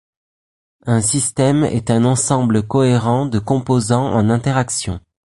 Un système est un ensemble cohérent de composants en interaction.